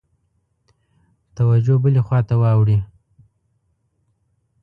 توجه بلي خواته واوړي.